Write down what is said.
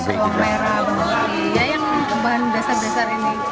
ya yang bahan dasar dasar ini